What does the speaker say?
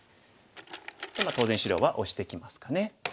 まあ当然白はオシてきますかね。